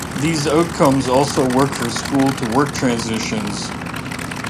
These outcomes also work for school to work transitions.